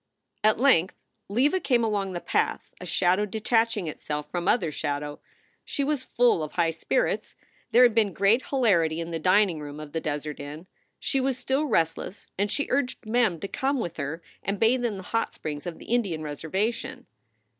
At length Leva came along the path, a shadow detaching itself from other shadow. She was full of high spirits. There had been great hilarity in the dining room of the Desert Inn. She was still restless, and she urged Mem to come with her and bathe in the hot springs of the Indian reservation.